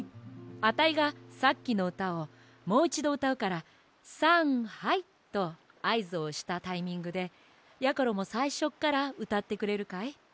あたいがさっきのうたをもういちどうたうから「さんはい」とあいずをしたタイミングでやころもさいしょからうたってくれるかい？